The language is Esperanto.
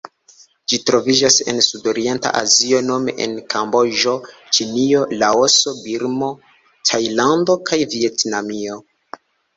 Ĝi troviĝas en Sudorienta Azio nome en Kamboĝo, Ĉinio, Laoso, Birmo, Tajlando kaj Vjetnamio.